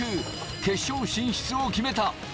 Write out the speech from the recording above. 決勝進出を決めた。